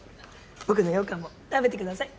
僕のようかんも食べてください。